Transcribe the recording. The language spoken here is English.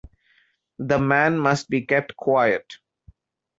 The man must be kept quiet.